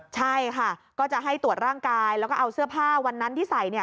ใช่ค่ะก็จะให้ตรวจร่างกายแล้วก็เอาเสื้อผ้าวันนั้นที่ใส่